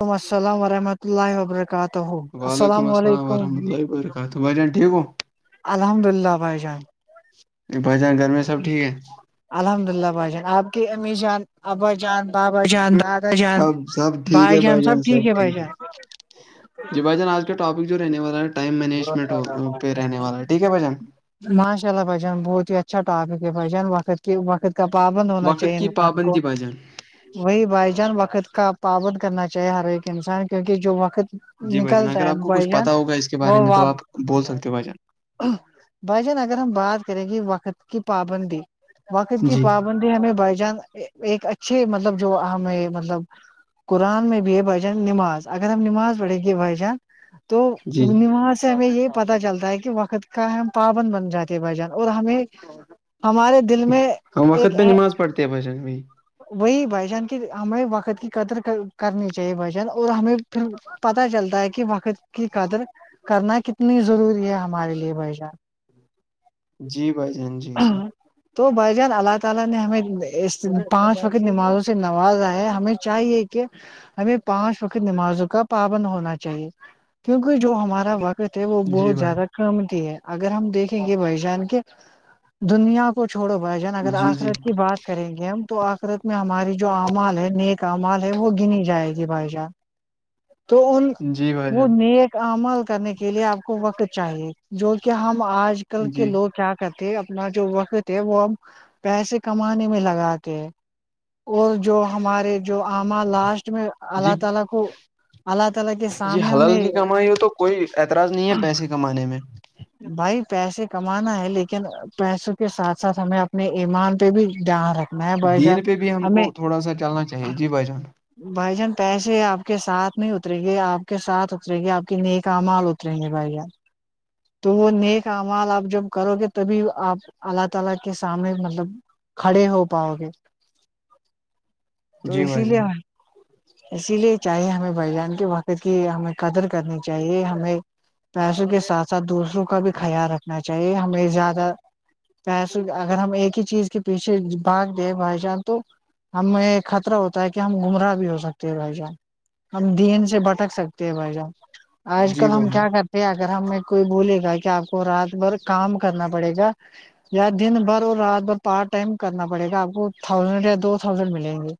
السلام علیکم ورحمۃ اللہ وبرکاتہ السلام علیکم ست بجان ٹھیک ہو الحمد للہ بھائی جان بھائی جان گھر میں سب ٹھیک ہے الحمد للہ بھائی جان آپ کی امی جان ابا جان بابا جان دادا جان بھائی جان سب ٹھیک ہے بھائی جان جی بھائی جان آج کا ٹاپک جو رہنے والا ٹائم مینجمنٹ پہ رہنے والا ہے ٹھیک ہے بھجان ماشا اللہ بھ جان بہت ہی اچھا ٹاپک ہے بھائی جان وقت کے وقت پاپندوناا وقت چی کی نہ کو پابندی بھائی جان وہی بھائی جان وقت کا پابند کرنا چاہیے ہر ایک انسان کیونکہ جو وقت جی بھائی جان نکلتا اگر ہے آپ کو کچھ بائی جان پتا ہوگا اس کے بارے وہ میں و تو آپ بول سکتے ہو بھائی جان بھائی جان اگر ہم بات کریں گے وقت کی پابندی وقت کی جی پابند ندے ہمیں بائی جان ایک اچھے مطلب جو ہمیں مطلب قرآن میں بے بجان نماز اگر ہم نماز پڑھ گ بجان تو جی پنیماس سے میں یہ پت چلتا ہے کہ وقت کا ہم پاابند بن جاتے بھ جان اور ہمیں ہمارے دل میں ہم ایک وقت پہ نماز پڑھتے ہیں بھشن بھائی وہی بھائی جان کی ہمیں وقت کی قدر کرنی چاہیے بھائی جان اور ہمیں پھر پتا چلتا ہے کہ وقت کی قدر کرنا کتنی ضروری ہے ہمارے لیے بھائی جان جی بھائی جان جی جی تو بائی جان اللہ تعالی نے ہمیں اس پانچ وقت نمازوں سے نوازا ہے ہمیں چاہیے کہ ہمیں پانچ وقت نمازوں کا پابند ہونا چاہیے کیونکہ جو ہمارا وقت ہے وہ جی بہت بھائی زیادہ قمتی ہے اگر ہم دیکھیں گے بھائی جان کے دنیا کو چھوڑو بھائی جان اگر جی جی آخرت کی بات کریں گے ہم تو آخرت میں ہماری جو اعمال ہے نیک اعمال ہے وہ گنی جائے گی بھائی جان تو ان جی بھائی وہ جان نیک عمل کرنے کے لیے آپ کو وقت چاہیے جو کہ ہم آج کل کے جی لوگ کیا کرتے اپنا جو وقت ہے وہ ہم پیسے کمانے میں لگاتے ہیں کو جو ہمارے جو اعمال لاسٹ میں جی اللہ تعالی کو اللہ ت الگ جی حلل کی کمائی ہو تو کوئی اعتراض نہیں ہے پیسے کمانے میں بھائی پیسے کمانا ہے لیکن پیسوں کے ساتھ ساتھ ہمیں اپنے ایمان پہ بھی دھیان رکھ دین پہ بھی ہم کو تھوڑا سا چلنا چاہیے جی بھ جان بھائی جان پیسے آپ کے ساتھ نہیں اترے گی آپ کے ساتھ اترے گی آپ کی نیک مال ات یں گے بھائی جان تو وہ نیک امال آپ جب کرو گے تبھی اپ اللہ تعالی کے سامنے مطلب کھڑے ہو تو جی اسی بھائی جان لیے اسی لیے چاہے ہمیں بائی جان کے وقت کی ہمیں قدر کرنی چاہیے ہمیں پیسوں کے ساتھ ساتھ دوسروں کا بھی خیال رکھنا چاہیے ہمیں زیادہ پسے اگر ہم ایک ہی چیز کے پیچھے بھاگ دیں بھائی جان تو ہمیں خطرہ ہوتا ہے کہ ہم گمراہ بھی ہو سکتے ہے بھائی جان ہم دین سے بھٹک سکتے ہیں بھائی جان آج جی کل ہم بھائی جان کیا کرتے ہیں اگر ہمیں کوئی بولے گا کہ آپ کو رات بھر کام کرنا پڑے گا [inaudible] یا دن بھر اور رات بھر پارٹ ٹائم کرنا پڑے گا آپ کو تھاؤزینڈ یا دو تھاؤزینڈ ملیں گے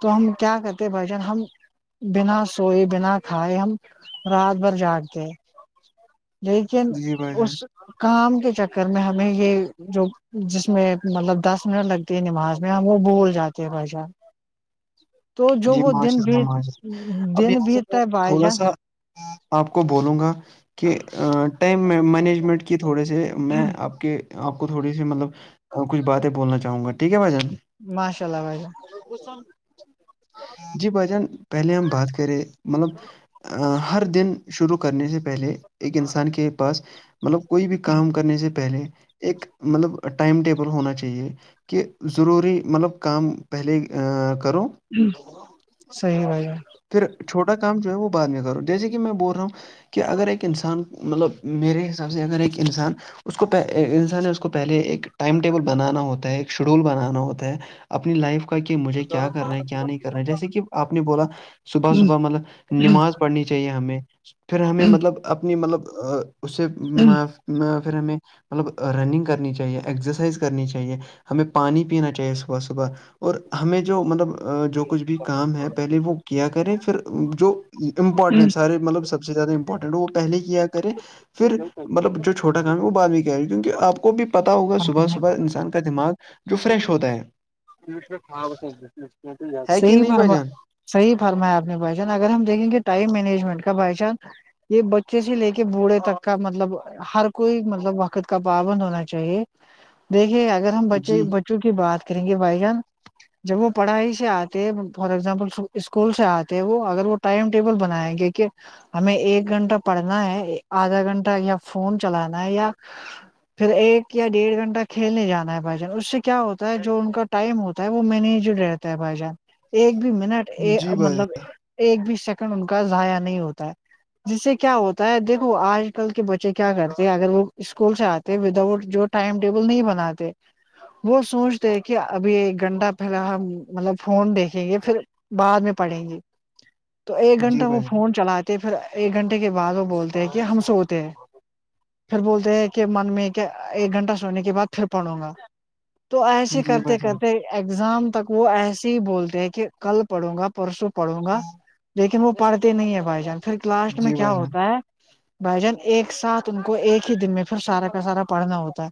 تو ہم کیا کرتے بھائی جان ہم بنا سوئے بنا کھائے ہم رات بھر جاگتے لیکن جی بھائی اس جان کام کے چکر میں ہم میں یہ جو جس میں مطلب دس منٹ لگتی ہے نماز میں ہم وہ بھول جاتے ہیں بھائیشان تو جو جی وہ دن ماشاء اللہ بھیت ماشاء اللہ اب دن یہاں سے بھیتتا میں ہے بھائی تھوڑا جان سا آپ کو بولوں گا کہ ٹائم مینجمنٹ کی تھوڑے سے میں آپ کہ آپ کو تھوڑی سی مطلب کچھ باتیں بولنا چاہوں گا ٹھیک ہے بھائی جان ماشاء اللہ بھائی جان جی بھائی جان پہلے ہم بات کریں مطلب ہر دن شروع کرنے سے پہلے ایک انسان کے پاس مطلب کوئی بھی کام کرنے سے پہلے ایک مطلب ٹائم ٹیبل ہونا چاہیے کہہ ضروری مطلب کام پہلے کرو صحیح بھائی جان پھر چھوٹا کام جو ہے وہ بع میں کرو جیسے کہ میں بول رہا ہوں کہ اگر ایک انسان مطلب میرے حساب سے اگر ایک انسان اس کوہ انسان اس کو پہلے ایک ٹائم ٹیبل بنانا ہوتا ہے ایک شیڈول بنانا ہوتا ہے اپنی لائف کا کہ مجھے کیا کرنا ہے کیا نہیں کرنا ہے جیسے کہ آپ نے بولا صبح صبح مطلب نماز پڑھنی چاہیے ہمیں پھر ہمیں مطلب م اپنی مطلب اس سے جان پھر ہمیں مطلب رننگ کرنی چاہیے ایکسرسائز کرنی چاہیے ہمیں پانی پینا چاہیے صبح صبح اور ہمیں جو مطلب جو کچھ بھی کام ہے پہلے وہ کیا کریں پھر جو امپورٹنٹ سارے مطلب سب سے زیادہ امپورٹاینٹ ہے وہ پہلے کیا کرے مطلب فر جو چھوٹا کام ہیں وہ بعد می کیا کرے کوکی آپکو بھی پتاہ ہوگا صبح صبح انسان کا دماغ جو فریش ہوتا ہے ہے کہ صحیح نہیں بھائی جان فرمایا صحیح فرمایا آپ نے بھائی جان اگر ہم دیکھیں گے ٹائم مینجمنٹ کا بھائی جاں یہ بچے سے لے کے بوڑھے تک کا مطلب ہر کوئی مطلب وقت کا پابند ہونا چاہیے دیکھیے اگر ہم بچے جی بچوں کی بات کریں گے بھائی جان جب وہ پڑھائی سے آتے فار ایگزامپل اسکول سے آتے ہیں وہ اگر وہ ٹائم ٹیبل بنائیں گے کہ ہمیں ایک گھنٹہ پڑھنا ہے آدھا گھنٹہ یا فون چلانا ہے یا پھر ایک یا ڈیڑھ گھنٹہ کھیلنے جانا ہے بھائی جان اس سے کیا ہوتا ہے جو ان کا ٹائم ہوتا ہے وہ مینیج رہتا ہے بھائی جان ایک بھی منٹ جی بھائی مطلب جان ایک بھی سیکنڈ ان کا ضیاء نہیں ہوتا ہے جس سے کیا ہوتا ہے دیکھو آج کل کے بچے کیا کرتے ہیں اگر وہ اسکول سے آتے وداؤٹ جو ٹائم ٹیبل نہیں بناتے وہ سوچتے ہیں کہ ابھی ایک گھنٹہ پہلا ہم مطلب فون دیکھیں گے پھر بعد میں پڑھیں گے [inaudible] تو ایک گھنٹہ جی وہ بھائی فون جان چلاتے پھر ایک گھنٹے کے بعد وہ بولتے ہیں کہ ہم سوتے ہیں پھر بولتے ہیں کہ من میں کیا ایک گھنٹہ سونے کے بعد پھر پڑوں گا تو ایسے جی کرتے بھائی جان کرتے ایگزام تک وہ ایسے ہی بولتے ہیں کہ کل پڑھوں گا پرسوں پڑھوں گا لیکن وہ پڑھتے نہیں ہے بھائی جان پھر لاسٹ میں جی کیا بھائی جان ہوتا ہے بھائی جان ایک ساتھ ان کو ایک ہی دن میں پھر سارا کا سارا پڑھنا ہوتا ہے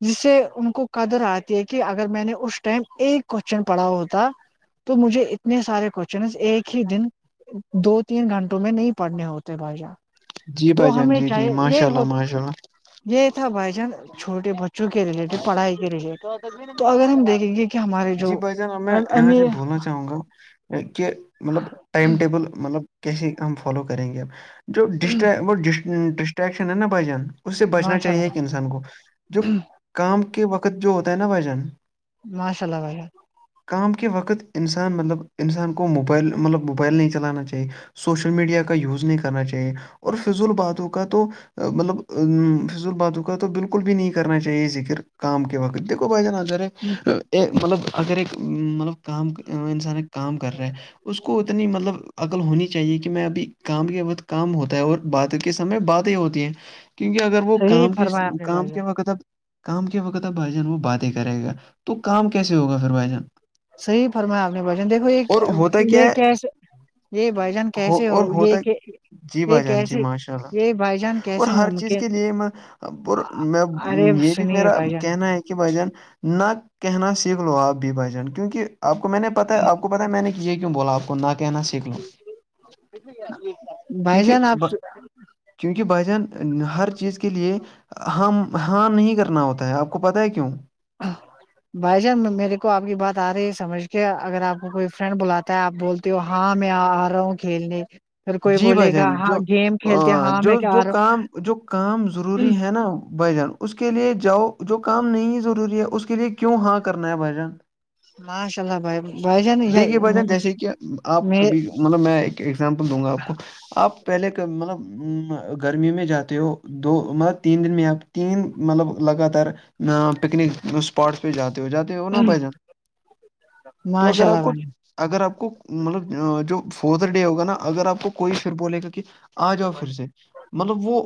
جس سے ان کو قدر آتی ہے کہ اگر میں نے اس ٹائم ایک کوشچن پڑھا ہوتا تو مجھے اتنے سارے کوشچن ایک ہی دن دو تین گھنٹوں میں نہیں پڑھنے ہوتے بھائی جان جی تو بھائی جان ہمیں جی جی چاہیے ماشاء یہ اللہ ہو ماشاء اللہ یہ تھا بھائی جان چھوٹے بچوں کے ریلیٹڈ پڑھائی کے ریلیٹڈ تو اگر ہم دیکھیں گے کہ ہمارے جی جو بھائی جانب اب میں یہاں سے امیر بولنا چاہوں گا کہ مطلب ٹائم ٹیبل مطلب کیسے ہم فالو کریں گے اب جو وہ ڈسٹیکشن ہے نا بھائی جاں اس سے بچنا ماشاء چاہیے ایک اللہ انسان کو جو کام کے وقت جو ہوتا ہے نا بھائی جاں ماشاء اللہ بھائی جاں کام کے وقت انسان مطلب انسان کو موبائل مطلب موبائل نہیں چلانا چاہیے سوشل میڈیا کا یوز نہیں کرنا چاہیے اور فضول باتوں کا تو مطلب فضول باتوں کا تو بالکل بھی نہیں کرنا چاہیے ذکر کام کے وقت دیکھو بھائی جاں نظر ہے جان، مطلب اگر مطلب کام انسان کام کر رہا ہے اس کو اتنی مطلب عقل ہونی چاہیے کہ میں ابھی کام کے وقت کام ہوتا ہے اور بات کے سمے باتیں ہوتی ہیں کیونکہ اگر وہ صحیح کام کے فرمایا آپ نے کام بھائی جان کے وقت اب کام کے وقت آ بھائی جان وہ بات ہی کرے گا تو کام کیسے ہوگا پھر بھائی جان صحیح فرمایا آپ نے بچا دیکھو اور ہوتا یہ کیا یہ ہے کیسے یہ بھائی جان ہو اور ہوتا یہ ہے کہ جی یہ بھائی جان جی کیسے ماشاء اللہ یہ بھائی جان اور کیسے ہر چیز ممکن کے لیے میں ارے یہ بھی سنیے میرا بھائی جان کہنا ہے بھجن نہ کہنا سیکھ لو آپ بھی بھجن کیونکہ آپ کو میں نے پتا آپ کو پتاہ میں نے کیا یہ کیوں بول آپ کو نہ کہناا سیک لوں بھائی جان آپ چونکہ بسان ہر چیز کے لیے ہم ہاں نہیں کرنا ہوتا ہے آپ کو پت ہے کیوں بھائی جان میرے کو آپ کی بات آ رہی سمجھ کے اگر آپ کو کوئی فرینڈ بلاتا ہے آپ بول ہاں میں آ رہا ہوں کھیلنے پھر کوئی جی بھائی بولے گا جان ہاں جو گیم کھیلتے آ، ہاں میں جو کہ جو رہا ہ کام جو کام ضروری ہے نا بھائی جان اس کے لیے جاؤ جو کام نہیں ضروری ہے اس کے لیے کیوں ہاں کرنا ہے بائیان ماشاء اللہ بھائی بھائی جان دیکی وجہ جیسے کہ آپ میں کبھی مطلب میں ایک ایگزامپل دوں گا آپ کو آپ پہلے مطلب گرمی میں جاتے ہو دو مطلب تین دن میں آپ تین مطلب لگاتار پکنک اسپاٹس پہ جاتے ہو جاتے اورن بھ جان تو ماشاء اگر اللہ آپ کو بھائی جان اگر آپ کو مطلب جو فادر ڈے ہوگا نا اگر آپ کو کوئی پھر بولے گا کہ آ جاؤ پھر سے مطلب وہ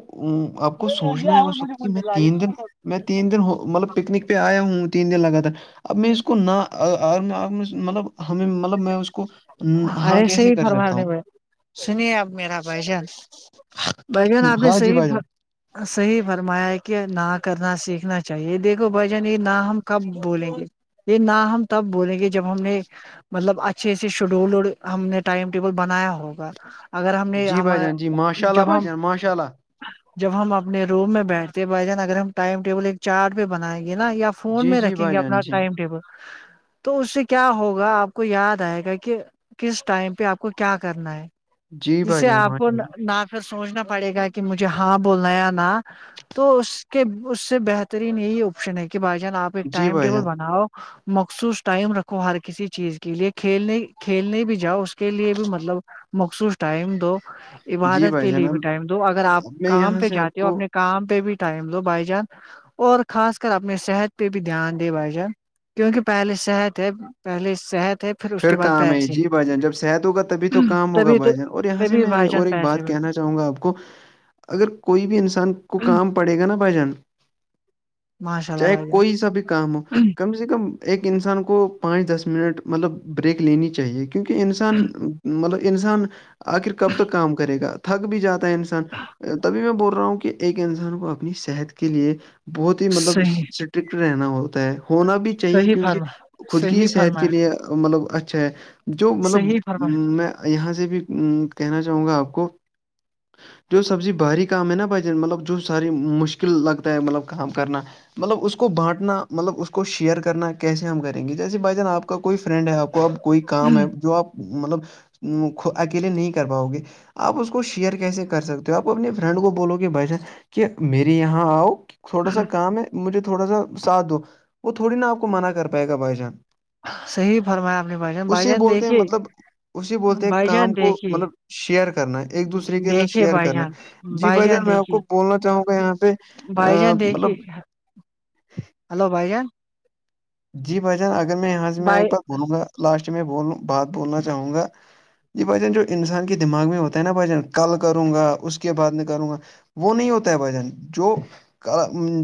آپ کو سوچنا ہے اس وقت کہ میں تین دن میں تین دن ہو مطلب پکنک پہ آیا ہوں تین دن لگاتار اب میں اس کو نہ مطلب ہمیں مطلب میں اس کو ن- ہاں ارے کیسے صحی کر فرمار سکتا ہوں نہیں میں سنیے اپ میرا بھ جان بھ جن آپ نے ہاں جی صحی بھائی جان صحیح فرمایا ہے کہ نہ کرنا سیکھنا چاہیے دیکھو بھ جن یہ نہ ہم کب بولیں گے یہ نہ ہم تب بولیں گے جب ہم نے مطلب اچ اچھے سے شیڈول ہم نے ٹائم ٹیبل بنایا ہوگا اگر ہم نے جی ہم بھائی جان جی ماشاء اللہ جب بھائی ہم جان ماشاء اللہ جب ہم اپنے روم میں بیٹھتے بائی جان اگر ہم ٹائم ٹیبل ایک چارٹ پہ بنائیں گے نا یا فون جی میں جی رکھیں گے بھائی جان اپنا جی ٹائم ٹیبل تو اس سے کیا ہوگا آپ کو یاد گا کہ کس ٹائم پہ آپ کو کیا کرنا ہے جی جس بھائی سے جان آپ کو ماشاء اللہ ناک پھر سوچنا پڑے گا کہ مجھے ہاں بولنا یا نہ تو اس کے اس سے بہترین یہی آپشن ہے کہ بھائی جان آپ ایک جی ٹائم بھائی ٹیبل جان بناؤ مخصوص ٹائم رکھو ہر کسی چیز کے لیے کھیلنے کھیلنے بھی جاؤ اس کے لیے بھی مطلب مخصوص ٹائم دو جی عبادت بھائی کے جان لیے بھی اب ٹائم دو اگر آپ اب میں کام یہاں پہ سے آپ جاتے ہو کو اپنے کام پہ بھی ٹائم دو بائی چانس اور خاص کر اپنے صحت پہ بھی دھیان دے بھائی جان کیونکہ پہلیے صحت ہے پہلیے صحت ہے اس پھر کے بعد کام ہے پیسے جی بھائی جان جب شحید ہوگا تبھی تو کام ہوگا تبھی تو بھائی جان اور یہاں سے تبھی میں بھائی جان اور ایک پیسے بات کہنا ملے چاہوں گا آپ کو اگر کوئی بھی انسان کو کام پڑے گا نا بھائی جان ماشاء اللہ چاہے بھائی کوئی سا بھی کام ہو جان کم سے کم ایک انسان کو پانچ دس منٹ مطلب بریک لینی چاہیے کہ کیونکہ انسان مطلب انسان آخر کب تک کام کرے گا تھک بھی جاتا ہے انسان تبھی میں بول رہا ہوں کہ ایک انسان کو اپنی صحت کے لیے بہت ہی مطلب صحیح اسٹرکٹ رہنا ہوتا ہے ہونا بھی چاہیے صحیح کیونکہ فرما خود کی صحیح صحت کے فرمایا لیے مطلب اچھا ہے جو مطلب صحیح میں یہاں سے بھی کہنا چاہوں گا آپ کو جو سبزی باہری کام ہے نا بھائی جان مطلب جو ساری مشکل لگتا ہے مطلب کام کرنا مطلب اس کو بانٹنا مطلب اس کو شیئر کرنا کیسے ہم کریں گے جیسے بھائی جان آپ کا کوئی فرینڈ ہے آپ کو اب کوئی کام ہے فرمایا جو آپ مطلب اکیلے نہیں کر پاؤ گے آپ اس کو شیئر کیسے کر سکتے ہو آپ اپنے فرینڈ کو بولو کہ بھش کہ میرے یہاں آؤ تھوڑا سا کام ہے مجھے تھوڑا سا ساتھ دو وہ تھوڑی نا آپ کو منع کر پائے گا بھائی جان صحیح فرمایا آپ نے بھائی جان بھائی جان دیکھیے اسی بولتے ہیں بھائی کام جان کو دیکھیے مطلب شیئر کرنا ایک دوسرے کے ساتھ دیکھیے شیئر بھائی کرنا جان جی بھائی جان میں آپ کو دیکھیے بولنا چاہوں گا یہاں سے بھائی ا جان مطلب دیکھیے ہلو بھائی جی بھائیان اگر میں یہاں سے میں بھائی ایک بار بولوں گا لاسٹ میں ب بات بولنا چاہوں گا جی بھائی جان جو انسان کے دماغ میں ہوتا ہے نا بھائی جن کل کروں گا اس کے بعد میں کروں گا وہ نہیں ہوتا ہے بھائی جان جو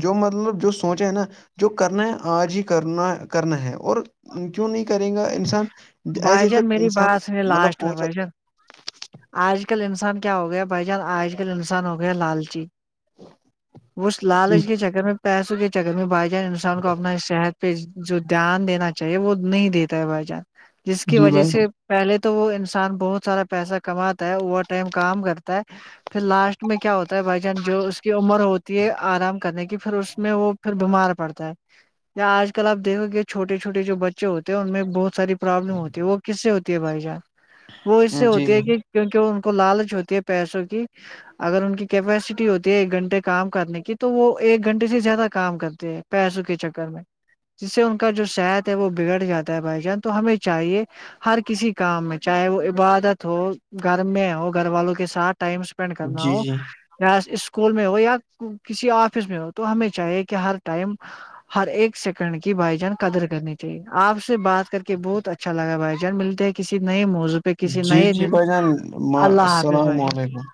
جو مطلب جو سوچا ہے نا جو کرنا ہے آج ہی کرنا کرنا ہے اور کیوں نہیں کرے گا انسان بھائی ایسے جان پھر میری انسان بات میں مطلب لاسٹ وہ میں بھائی جان آج کل انسان کیا ہو گیا بھائی جان آج کل انسان ہو گیا لالچی اس جو لالچ کے چکر میں پیسوں کے چکر میں بھائی جان انسان کو اپنا صحت پہ جو دھیان دینا چاہیے وہ نہیں دیتا ہے بھائی جان جس کی جی وجہ بھائی سے پہلے تو وہ انسان بہت سارا پیسہ کماتا ہے اوور ٹائم کام کرتا ہے پھر لاسٹ میں کیا ہوتا ہے بھائی جان جو اس کی عمر ہوتی ہے آرام کرنے کی پھر اس میں وہ پھر بیمار پڑتا ہے یا آج کل آپ دیکھو گے چھوٹے چھوٹے جو بچے ہوتے ہیں ان میں بہت ساری پرابلم ہوتی ہے وہ کس سے ہوتی ہے بھائی جان وہ اس سے جان، جی ہوتی ہے جی کہ کیونکہ ان کو لالچ ہوتی ہے پیسوں کی اگر ان کی کیپیسٹی ہوتی ہے ایک گھنٹے کام کرنے کی تو وہ ایک گھنٹے سے زیادہ کام کرتے ہیں پیسوں کے چکر میں جس سے ان کا جو شات ہے وہ بگڑ جاتا ہے بھائی جان تو ہمیں چاہیے ہر کسی کام میں چاہے وہ عبادت ہو گھر میں ہو گھر والوں کے ساتھ ٹائم ڈپینڈ کرنا جی وہ جی چ اسکول میں ہو یا کسی آفس میں ہو تو ہمیں چاہیے کہ ہر ٹائم ہر ایک سیکنڈ کی بھائی جان قدر کرنی چاہیے آپ سے بات کر کے کہ بہت اچھا لگا بھائی جان ملتے ہیں کسی نئے موضوعہ جی جی بھائی جان حافظ السلام بھائی جان علیکم